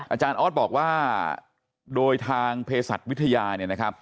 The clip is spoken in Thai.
อาจารย์อ๊อตบอกว่าโดยทางเพศัตริย์วิทยา